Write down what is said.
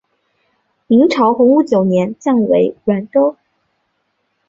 明朝洪武九年降为沅州。